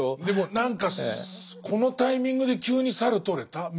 でも何かこのタイミングで急に猿とれた？